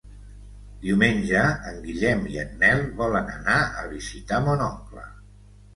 Diumenge en Guillem i en Nel volen anar a visitar mon oncle.